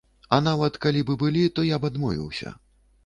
А нават калі б і былі, то я б адмовіўся.